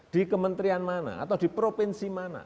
di kementerian mana atau di provinsi mana